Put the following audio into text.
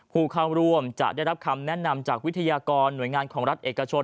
ผู้เข้าร่วมจะได้รับคำแนะนำจากวิทยากรหน่วยงานของรัฐเอกชน